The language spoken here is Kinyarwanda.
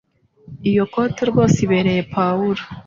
Iyo kote rwose ibereye Pawulo